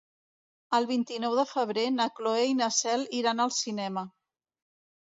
El vint-i-nou de febrer na Cloè i na Cel iran al cinema.